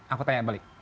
aku tanya balik